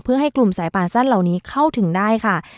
เพื่อให้กลุ่มสายป่านสั้นเหล่านี้เข้าถึงได้ค่ะ